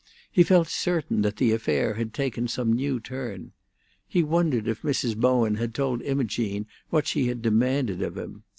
He felt certain that the affair had taken some new turn. He wondered if Mrs. Bowen had told Imogene what she had demanded of him.